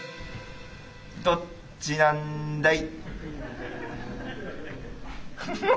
どっちなんだい？